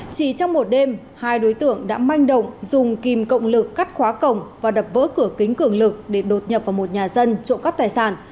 chỉ trong một đêm hai đối tượng đã manh động dùng kim cộng lực cắt khóa cổng và đập vỡ cửa kính cường lực để đột nhập vào một nhà dân trộm cắp tài sản